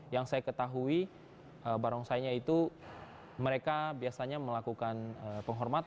yang saya ketahui barongsainya itu mereka biasanya melakukan penghormatan